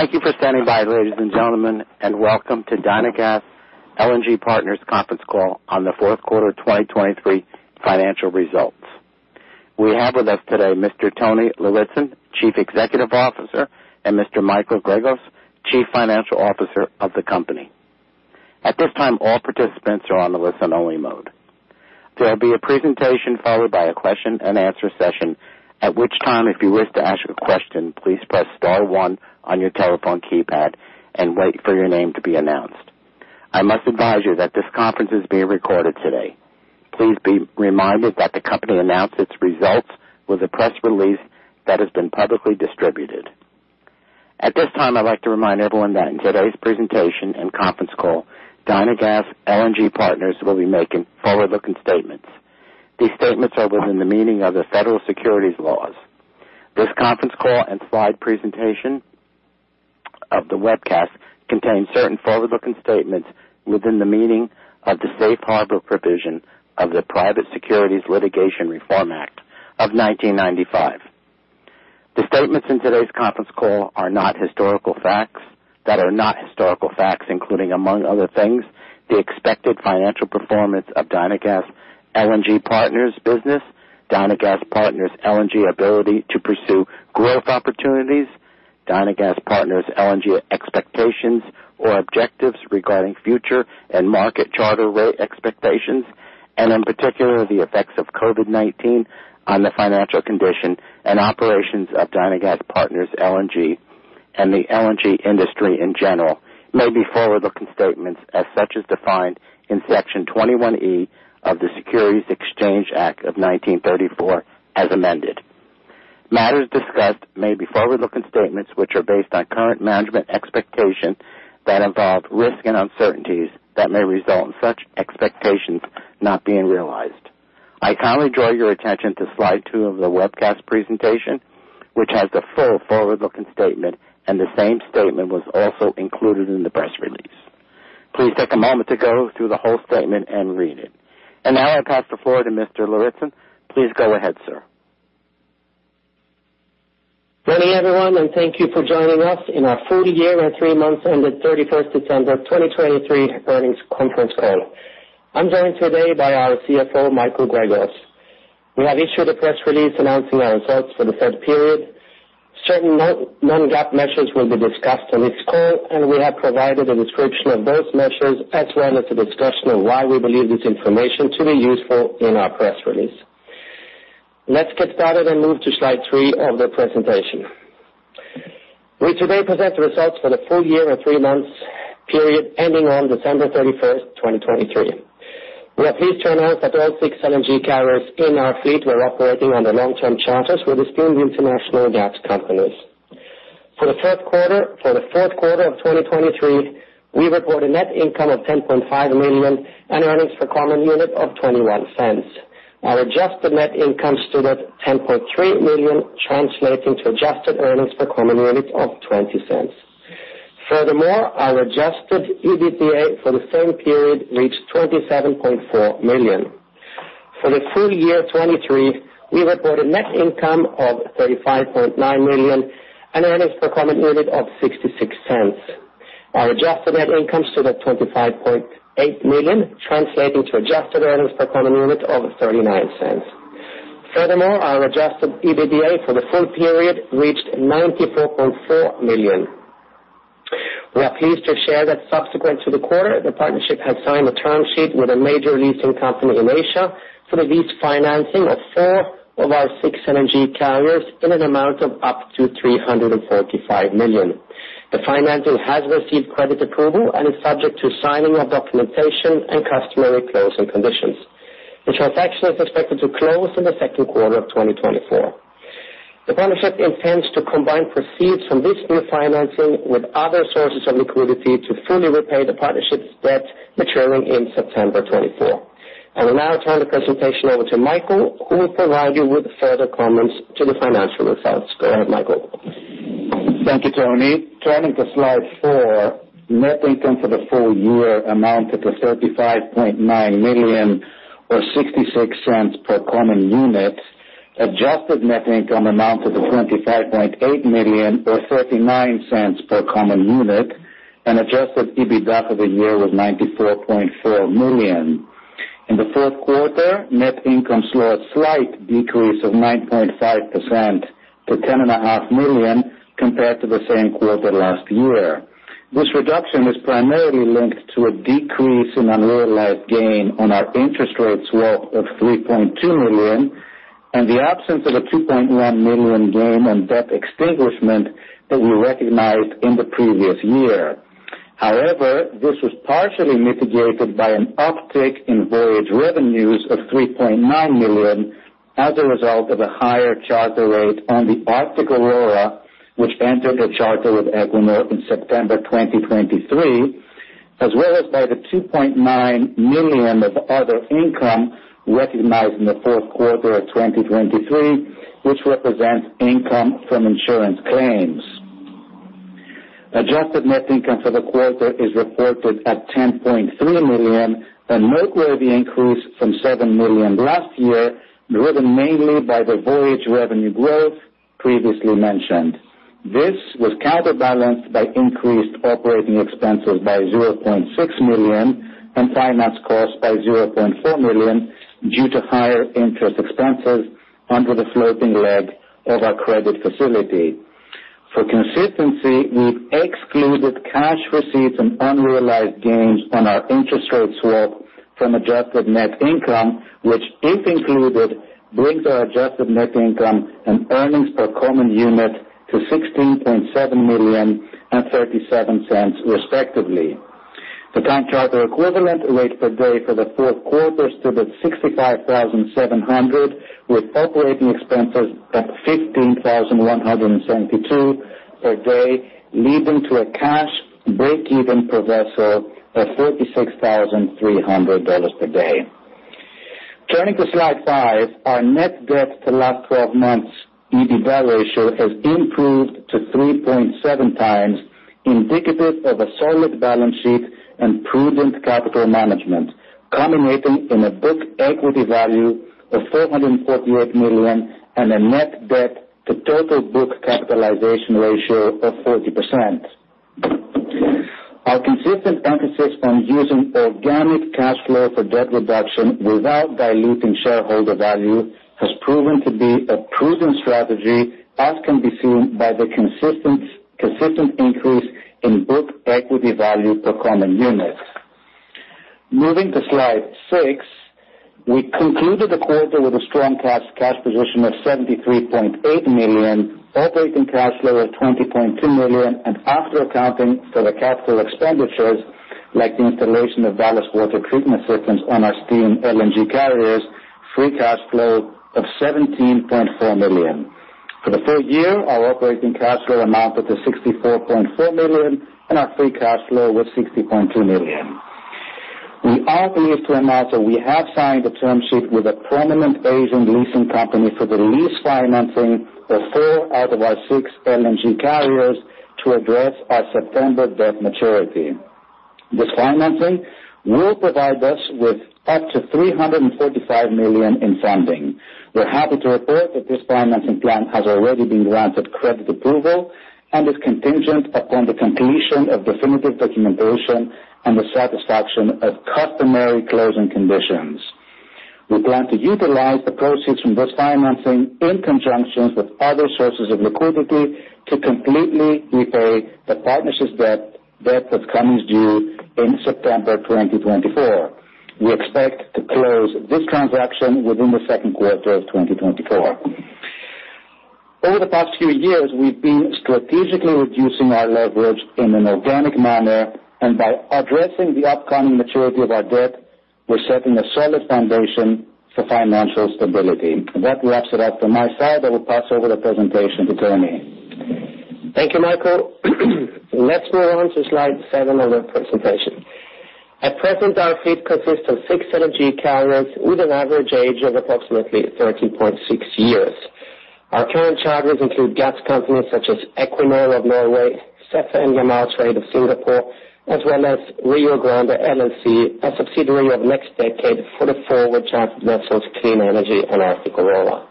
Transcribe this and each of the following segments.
Thank you for standing by, ladies and gentlemen, and welcome to Dynagas LNG Partners' conference call on the fourth quarter 2023 financial results. We have with us today Mr. Tony Lauritzen, Chief Executive Officer, and Mr. Michael Gregos, Chief Financial Officer of the company. At this time, all participants are on the listen-only mode. There will be a presentation followed by a question-and-answer session, at which time if you wish to ask a question please press star one on your telephone keypad and wait for your name to be announced. I must advise you that this conference is being recorded today. Please be reminded that the company announces its results with a press release that has been publicly distributed. At this time, I'd like to remind everyone that in today's presentation and conference call, Dynagas LNG Partners will be making forward-looking statements. These statements are within the meaning of the federal securities laws. This conference call and slide presentation of the webcast contains certain forward-looking statements within the meaning of the Safe Harbor Provision of the Private Securities Litigation Reform Act of 1995. The statements in today's conference call are not historical facts. That are not historical facts including, among other things, the expected financial performance of Dynagas LNG Partners' business, Dynagas LNG Partners' ability to pursue growth opportunities, Dynagas LNG Partners' expectations or objectives regarding future and market charter rate expectations, and in particular the effects of COVID-19 on the financial condition and operations of Dynagas LNG Partners and the LNG industry in general may be forward-looking statements as such as defined in Section 21(e) of the Securities Exchange Act of 1934 as amended. Matters discussed may be forward-looking statements which are based on current management expectations that involve risk and uncertainties that may result in such expectations not being realized. I kindly draw your attention to slide two of the webcast presentation which has the full forward-looking statement, and the same statement was also included in the press release. Please take a moment to go through the whole statement and read it. And now I pass the floor to Mr. Lauritzen. Please go ahead, sir. Good evening, everyone, and thank you for joining us on our fourth quarter and year ended December 31, 2023 earnings conference call. I'm joined today by our CFO, Michael Gregos. We have issued a press release announcing our results for the said period. Certain non-GAAP measures will be discussed on this call, and we have provided a description of those measures as well as a discussion of why we believe this information to be useful in our press release. Let's get started and move to slide three of the presentation. We today present the results for the full year and three-month period ending on December 31, 2023. We are pleased to announce that all six LNG carriers in our fleet were operating on the long-term charters with the strategic international gas companies. For the fourth quarter of 2023, we report a net income of $10.5 million and Earnings per Common Unit of $0.21. Our Adjusted Net Income stood at $10.3 million, translating to Adjusted Earnings per Common Unit of $0.20. Furthermore, our Adjusted EBITDA for the same period reached $27.4 million. For the full year 2023, we report a net income of $35.9 million and Earnings per Common Unit of $0.66. Our Adjusted Net Income stood at $25.8 million, translating to Adjusted Earnings per Common Unit of $0.39. Furthermore, our Adjusted EBITDA for the full period reached $94.4 million. We are pleased to share that subsequent to the quarter, the partnership had signed a term sheet with a major leasing company in Asia for the lease financing of four of our six LNG carriers in an amount of up to $345 million. The financing has received credit approval and is subject to signing of documentation and customary closing conditions. The transaction is expected to close in the second quarter of 2024. The partnership intends to combine proceeds from this new financing with other sources of liquidity to fully repay the partnership's debt maturing in September 2024. I will now turn the presentation over to Michael, who will provide you with further comments to the financial results. Go ahead, Michael. Thank you, Tony. Turning to slide four, net income for the full year amounted to $35.9 million or $0.66 per common unit, Adjusted Net Income amounted to $25.8 million or $0.39 per common unit, and Adjusted EBITDA for the year was $94.4 million. In the fourth quarter, net income saw a slight decrease of 9.5% to $10.5 million compared to the same quarter last year. This reduction is primarily linked to a decrease in unrealized gain on our Interest Rate Swap of $3.2 million and the absence of a $2.1 million gain on debt extinguishment that we recognized in the previous year. However, this was partially mitigated by an uptick in voyage revenues of $3.9 million as a result of a higher charter rate on the Arctic Aurora, which entered the charter with Equinor in September 2023, as well as by the $2.9 million of other income recognized in the fourth quarter of 2023, which represents income from insurance claims. Adjusted Net Income for the quarter is reported at $10.3 million, a noteworthy increase from $7 million last year driven mainly by the voyage revenue growth previously mentioned. This was counterbalanced by increased operating expenses by $0.6 million and finance costs by $0.4 million due to higher interest expenses under the floating leg of our credit facility. For consistency, we've excluded cash receipts and unrealized gains on our Interest Rate Swap from Adjusted Net Income, which, if included, brings our Adjusted Net Income and Earnings Per Common Unit to $16.7 million and $0.37, respectively. The Time Charter Equivalent rate per day for the fourth quarter stood at $65,700, with operating expenses at $15,172 per day, leading to a Cash Break-Even level of $46,300 per day. Turning to slide five, our Net Debt to last 12 months' EBITDA ratio has improved to 3.7x, indicative of a solid balance sheet and prudent capital management, culminating in a Book Equity Value of $448 million and a net debt-to-total-book capitalization ratio of 40%. Our consistent emphasis on using organic cash flow for debt reduction without diluting shareholder value has proven to be a prudent strategy, as can be seen by the consistent increase in Book Equity Value per common unit. Moving to slide six, we concluded the quarter with a strong cash position of $73.8 million, operating cash flow of $20.2 million, and after accounting for the capital expenditures like the installation of ballast water treatment systems on our steam LNG carriers, free cash flow of $17.4 million. For the full year, our operating cash flow amounted to $64.4 million and our free cash flow was $60.2 million. We are pleased to announce that we have signed a term sheet with a prominent Asian leasing company for the lease financing of four out of our six LNG carriers to address our September debt maturity. This financing will provide us with up to $345 million in funding. We're happy to report that this financing plan has already been granted credit approval and is contingent upon the completion of definitive documentation and the satisfaction of customary closing conditions. We plan to utilize the proceeds from this financing in conjunction with other sources of liquidity to completely repay the partnership's debt that comes due in September 2024. We expect to close this transaction within the second quarter of 2024. Over the past few years, we've been strategically reducing our leverage in an organic manner, and by addressing the upcoming maturity of our debt, we're setting a solid foundation for financial stability. That wraps it up from my side. I will pass over the presentation to Tony. Thank you, Michael. Let's move on to slide seven of the presentation. At present, our fleet consists of six LNG carriers with an average age of approximately 30.6 years. Our current charters include gas companies such as Equinor of Norway, SEFE and Yamal Trade of Singapore, as well as Rio Grande LNG, LLC, a subsidiary of NextDecade for the forward chartered vessels Clean Energy and Arctic Aurora.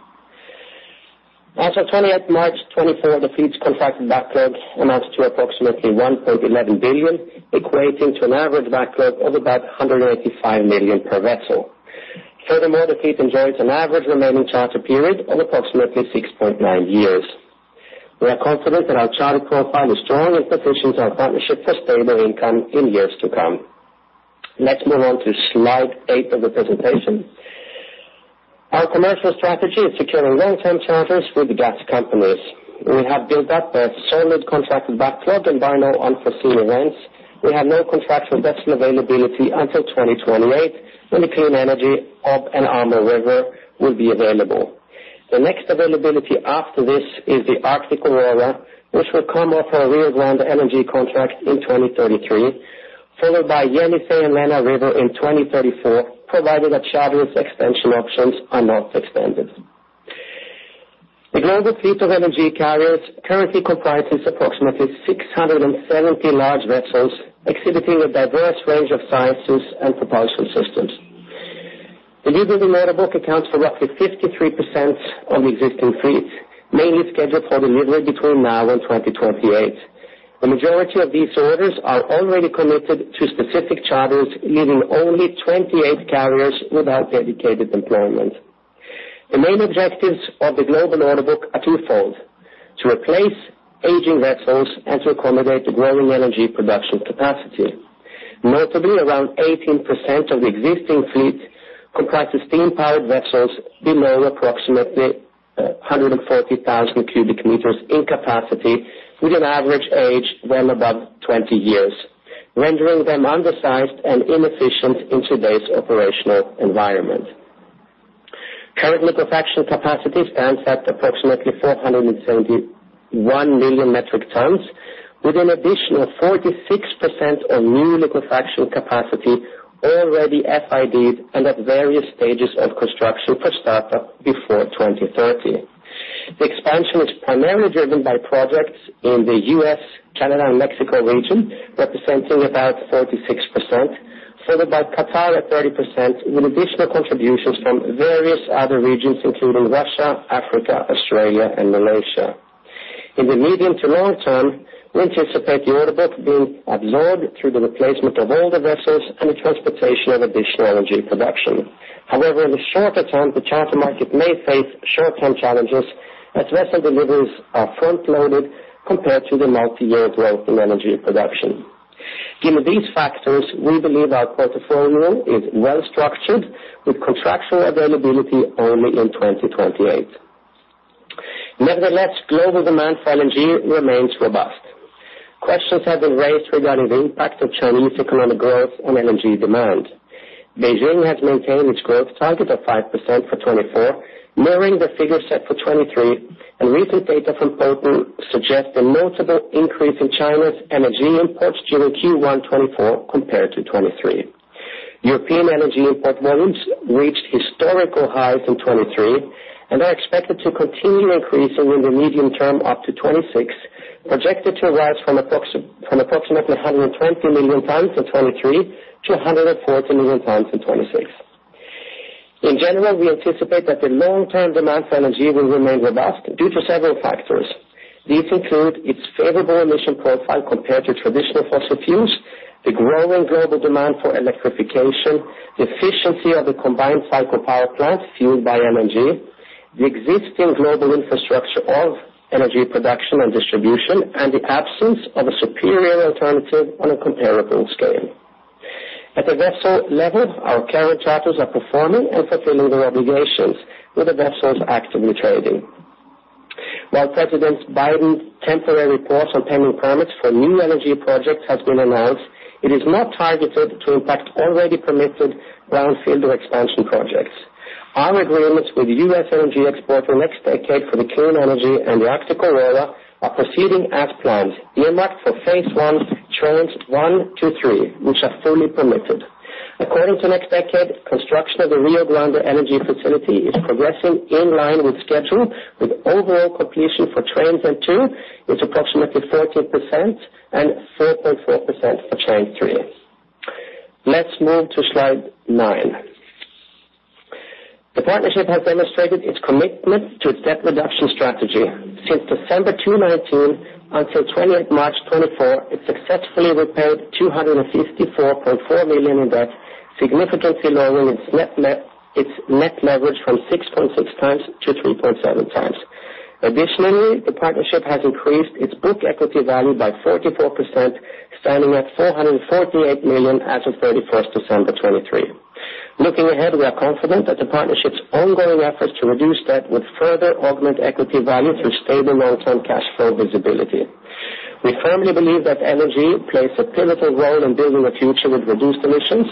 As of 28 March 2024, the fleet's contracted backlog amounts to approximately $1.11 billion, equating to an average backlog of about $185 million per vessel. Furthermore, the fleet enjoys an average remaining charter period of approximately 6.9 years. We are confident that our charter profile is strong and positions our partnership for stable income in years to come. Let's move on to slide eight of the presentation. Our commercial strategy is securing long-term charters with gas companies. We have built up a solid contracted backlog and by no unforeseen events, we have no contractual vessel availability until 2028 when the Clean Energy, Ob River, and Amur River will be available. The next availability after this is the Arctic Aurora, which will come off our Rio Grande LNG contract in 2033, followed by Yenisey River and Lena River in 2034, provided that charters' extension options are not extended. The global fleet of LNG carriers currently comprises approximately 670 large vessels exhibiting a diverse range of sizes and propulsion systems. The newbuilding order book accounts for roughly 53% of the existing fleet, mainly scheduled for delivery between now and 2028. The majority of these orders are already committed to specific charters, leaving only 28 carriers without dedicated employment. The main objectives of the global order book are twofold: to replace aging vessels and to accommodate the growing energy production capacity. Notably, around 18% of the existing fleet comprises steam-powered vessels below approximately 140,000 cubic meters in capacity with an average age well above 20 years, rendering them undersized and inefficient in today's operational environment. Current liquefaction capacity stands at approximately 471 million metric tons, with an additional 46% of new liquefaction capacity already FID'd and at various stages of construction for startup before 2030. The expansion is primarily driven by projects in the U.S., Canada, and Mexico region, representing about 46%, followed by Qatar at 30% with additional contributions from various other regions, including Russia, Africa, Australia, and Malaysia. In the medium to long term, we anticipate the order book being absorbed through the replacement of older vessels and the transportation of additional energy production. However, in the shorter term, the charter market may face short-term challenges as vessel deliveries are front-loaded compared to the multi-year growth in energy production. Given these factors, we believe our portfolio is well-structured with contractual availability only in 2028. Nevertheless, global demand for LNG remains robust. Questions have been raised regarding the impact of Chinese economic growth on LNG demand. Beijing has maintained its growth target of 5% for 2024, mirroring the figure set for 2023, and recent data from Poten suggest a notable increase in China's energy imports during Q1 2024 compared to 2023. European energy import volumes reached historical highs in 2023 and are expected to continue increasing in the medium term up to 2026, projected to rise from approximately 120 million tons in 2023 to 140 million tons in 2026. In general, we anticipate that the long-term demand for LNG will remain robust due to several factors. These include its favorable emission profile compared to traditional fossil fuels, the growing global demand for electrification, the efficiency of the combined cycle power plants fueled by LNG, the existing global infrastructure of energy production and distribution, and the absence of a superior alternative on a comparable scale. At the vessel level, our current charters are performing and fulfilling their obligations with the vessels actively trading. While President Biden's temporary reports on pending permits for new energy projects have been announced, it is not targeted to impact already permitted brownfield or expansion projects. Our agreements with U.S. energy exporter NextDecade for the Clean Energy and the Arctic Aurora are proceeding as planned, earmarked for phase I, Trains 1, 2, and 3, which are fully permitted. According to NextDecade, construction of the Rio Grande LNG Facility is progressing in line with schedule, with overall completion for Trains 1 and 2 at approximately 14% and 4.4% for Train 3. Let's move to slide nine. The partnership has demonstrated its commitment to its debt reduction strategy. Since December 2019 until 28 March 2024, it successfully repaid $254.4 million in debt, significantly lowering its net leverage from 6.6x-3.7x. Additionally, the partnership has increased its book equity value by 44%, standing at $448 million as of 31 December 2023. Looking ahead, we are confident that the partnership's ongoing efforts to reduce debt would further augment equity value through stable long-term cash flow visibility. We firmly believe that energy plays a pivotal role in building a future with reduced emissions.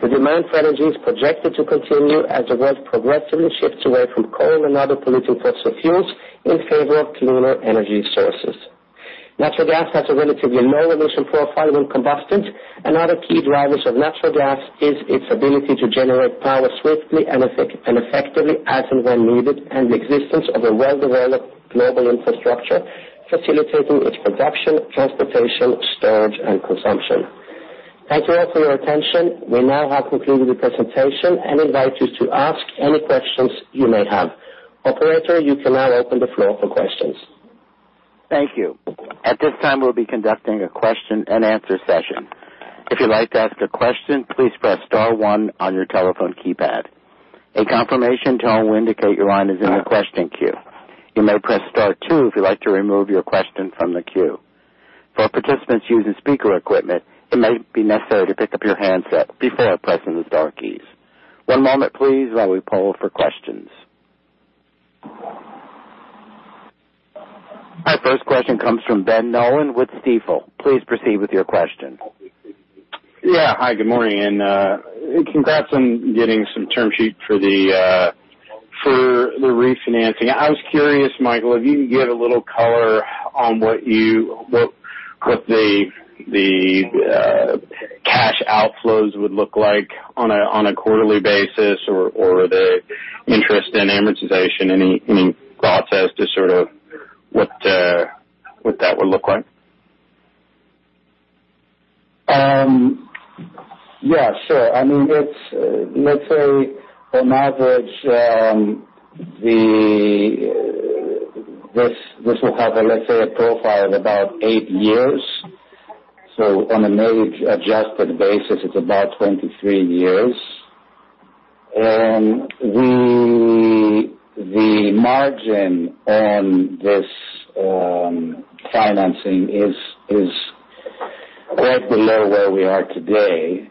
The demand for energy is projected to continue as the world progressively shifts away from coal and other polluting fossil fuels in favor of cleaner energy sources. Natural gas has a relatively low emission profile when combusted, and other key drivers of natural gas are its ability to generate power swiftly and effectively as and when needed, and the existence of a well-developed global infrastructure facilitating its production, transportation, storage, and consumption. Thank you all for your attention. We now have concluded the presentation and invite you to ask any questions you may have. Operator, you can now open the floor for questions. Thank you. At this time, we'll be conducting a question-and-answer session. If you'd like to ask a question, please press star one on your telephone keypad. A confirmation tone will indicate your line is in the question queue. You may press star two if you'd like to remove your question from the queue. For participants using speaker equipment, it may be necessary to pick up your handset before pressing the star keys. One moment, please, while we poll for questions. Our first question comes from Ben Nolan with Stifel. Please proceed with your question. Yeah. Hi. Good morning. Congrats on getting some term sheet for the refinancing. I was curious, Michael, if you could give a little color on what the cash outflows would look like on a quarterly basis or the interest and amortization. Any thoughts as to sort of what that would look like? Yeah. Sure. I mean, let's say, on average, this will cover, let's say, a profile of about eight years. So on an age-adjusted basis, it's about 23 years. And the margin on this financing is quite below where we are today.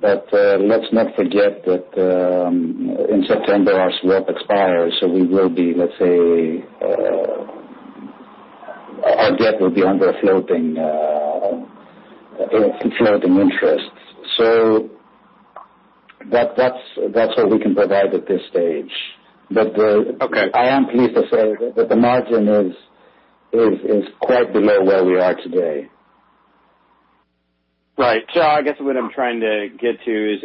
But let's not forget that in September, our swap expires, so we will be, let's say our debt will be under floating interest. So that's what we can provide at this stage. But I am pleased to say that the margin is quite below where we are today. Right. So I guess what I'm trying to get to is,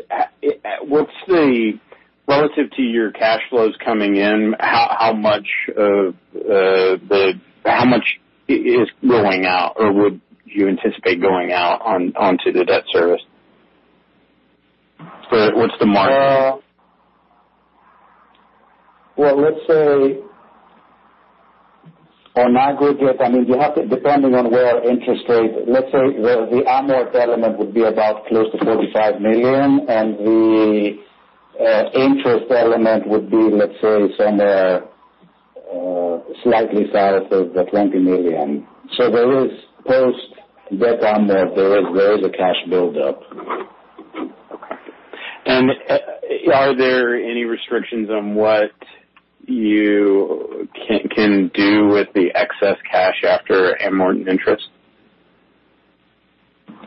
relative to your cash flows coming in, how much is going out or would you anticipate going out onto the debt service? What's the margin? Well, let's say, on aggregate, I mean, depending on where interest rate let's say the amort element would be about close to $45 million, and the interest element would be, let's say, somewhere slightly south of the $20 million. So post-debt amort, there is a cash buildup. Okay. Are there any restrictions on what you can do with the excess cash after amort and interest?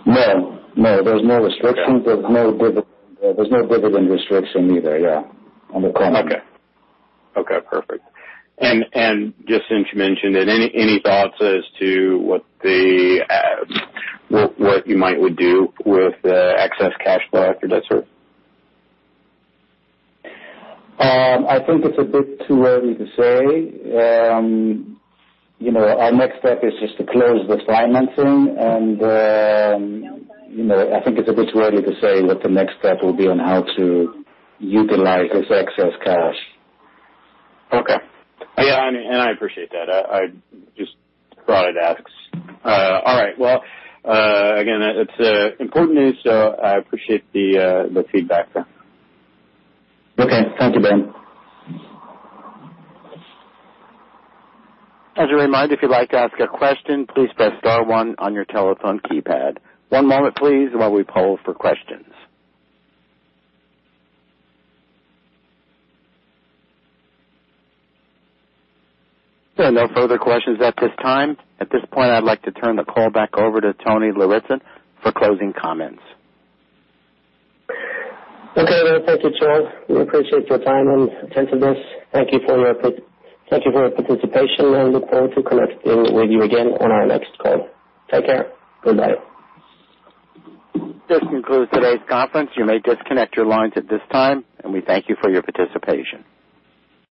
No. No. There's no restrictions. There's no dividend restriction either, yeah, on the comment. Okay. Okay. Perfect. And just since you mentioned it, any thoughts as to what you might do with the excess cash flow after debt service? I think it's a bit too early to say. Our next step is just to close this financing, and I think it's a bit too early to say what the next step will be on how to utilize this excess cash. Okay. Yeah. I appreciate that. I just thought I'd ask. All right. Well, again, it's important news, so I appreciate the feedback there. Okay. Thank you, Ben. As a reminder, if you'd like to ask a question, please press star one on your telephone keypad. One moment, please, while we poll for questions. There are no further questions at this time. At this point, I'd like to turn the call back over to Tony Lauritzen for closing comments. Okay. Well, thank you, Joel. We appreciate your time and attentiveness. Thank you for your participation, and look forward to connecting with you again on our next call. Take care. Goodbye. This concludes today's conference. You may disconnect your lines at this time, and we thank you for your participation.